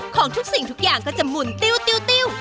ของทุกสิ่งทุกอย่างก็จะหมุนติ้ว